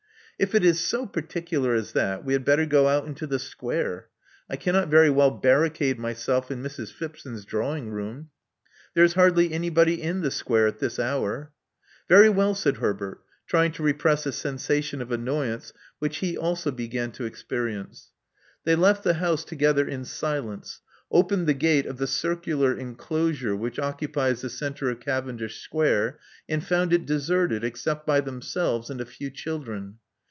If it is so particular as that, we had better go out into the Square. I cannot very well barricade myself in Mrs. Phipson' drawing room. There is hardly any body in the Square at this hour." "Very well," said Herbert, trying to repress a sensation of annoyance which he also began to 212 Love Among the Artists experience. They left the house together in silence; opened the gate of the circular enclosure which occupies the centre of Cavendish Square; and found it deserted, except by themselves, and a few children.